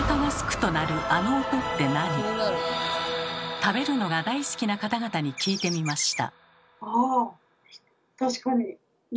食べるのが大好きな方々に聞いてみました。